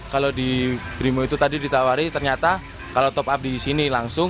kalau di brimo itu tadi ditawari ternyata kalau top up di sini langsung